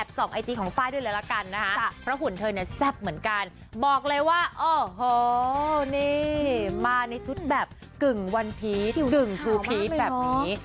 บอกเลยว่าโอ้โหนี่มาในชุดแบบกึ่งวันพีทสึ่งครูพีทแบบนี้